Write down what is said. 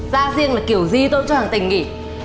ra riêng là kiểu gì tôi cũng cho thằng tình nghỉ